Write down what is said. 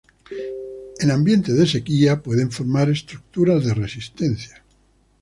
En ambientes de sequía pueden formar estructuras de resistencia.